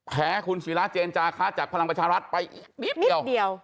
แพ้คุณศิราเจนจาคะจากพลังประชารัฐไปอีกนิดเดียว